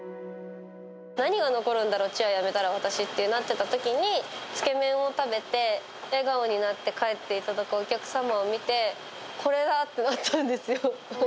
何が残るんだろう、チアやめたら私ってなってたときに、つけ麺を食べて、笑顔になって帰っていただくお客様を見て、これだってなったんですよ。